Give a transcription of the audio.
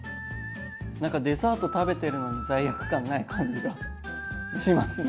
何かデザート食べてるのに罪悪感ない感じがしますね。